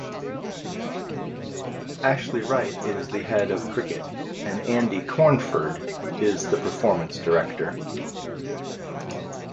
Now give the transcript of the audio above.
Ashley Wright is the Head of Cricket and Andy Cornford is the Performance Director.